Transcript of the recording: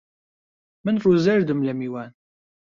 من ڕوو زەردم لە میوان